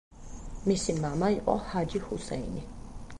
მისი მამა იყო ჰაჯი ჰუსეინი.